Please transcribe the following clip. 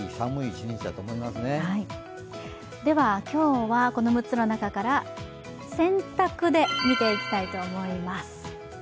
今日はこの６つの中から洗濯で見ていきたいと思います。